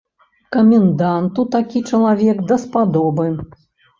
Каменданту такі чалавек даспадобы.